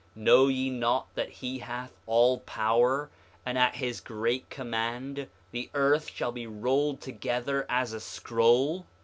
Know ye not that he hath all power, and at his great command the earth shall be rolled together as a scroll?